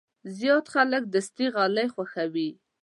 زیات خلک دستي غالۍ خوښوي.